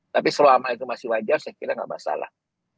tapi selama itu masih wajar saya kira nggak masalah